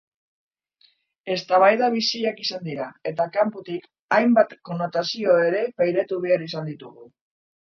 Eztabaida biziak izan dira eta kanpotik hainbat konnotazio ere pairatu behar izan ditugu.